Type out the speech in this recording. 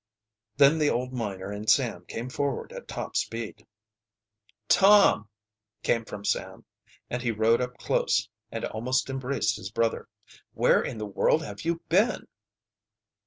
Then the old miner and Sam came forward at top speed. "Tom!" came from Sam, and he rode up close and almost embraced his brother. "Where in the world have you been?"